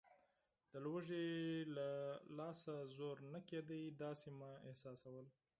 د لوږې له لاسه زور نه کېده، داسې مې احساسول.